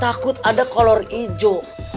takut ada kolor ijo